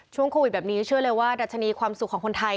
โควิดแบบนี้เชื่อเลยว่าดัชนีความสุขของคนไทย